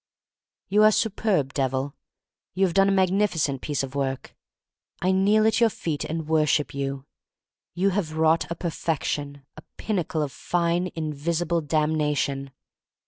You are superb, Devil! You have done a magnificent piece of work. I kneel at your feet and worship you. You have wrought a perfection, a pin nacle of fine, invisible damnation.